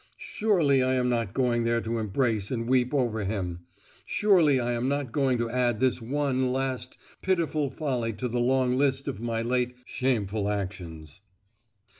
"Surely I am not going there to embrace and weep over him! Surely I am not going to add this one last pitiful folly to the long list of my late shameful actions!"